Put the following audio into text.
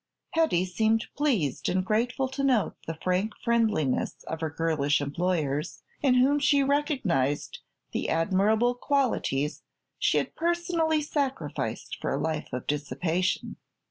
Hetty seemed pleased and grateful to note the frank friendliness of her girlish employers, in whom she recognized the admirable qualities she had personally sacrificed for a life of dissipation.